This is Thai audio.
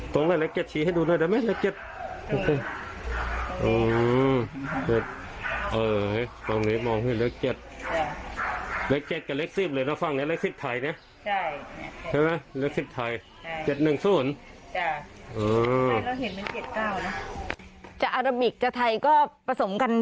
จะอัลบิกจะไทยก็ผสมกันดูนะคะ